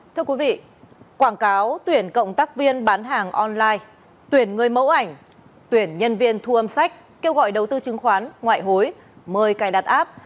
thưa quý vị quảng cáo tuyển cộng tác viên bán hàng online tuyển người mẫu ảnh tuyển nhân viên thu âm sách kêu gọi đầu tư chứng khoán ngoại hối mời cài đặt app